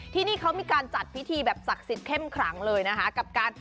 ที่นี่เขามีการจัดพิธีสักสิทธิ์เข้มขลางเลยกับการ